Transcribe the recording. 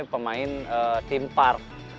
pemain team park